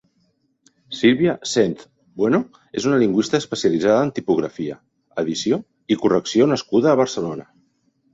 Sílvia Senz Bueno és una lingüista especialitzada en tipografia, edició i correcció nascuda a Barcelona.